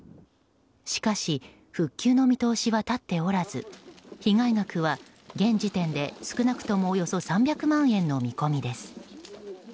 しかし復旧の見通しは立っておらず被害額は現時点で少なくともおよそ３００万円の見込みです。